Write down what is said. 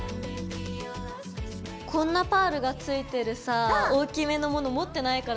こんなパールがついてるさぁ大きめのもの持ってないからちょっと新鮮かも。